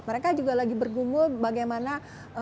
mereka juga lagi bergumul bagaimana